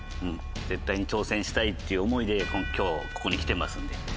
絶対に挑戦したいっていう思いで今日ここに来てますんで。